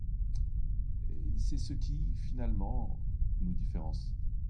C’est ce qui, finalement, nous différencie.